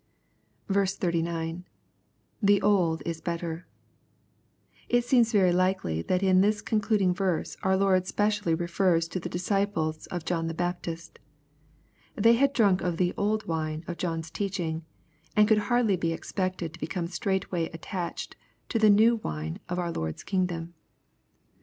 39. — [The old is better,] It seems very Ukely that in this conchiding verse our Lord specially refers to the disciples of John the Baptist. They had drunk of the "old wine" of John's teaching, and could hardly be expected to become straightway attached to the " new wine" of our Lord's kingdom.